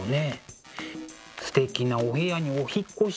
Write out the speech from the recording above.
すてきなお部屋にお引っ越し。